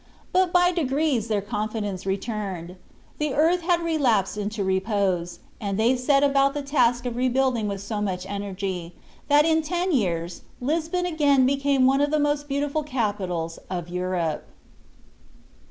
But by degrees their confidence returned. The earth had relapsed into repose, and they set about the task of rebuilding with so much energy, that in ten years Lisbon again became one of the most beautiful capitals of Europe.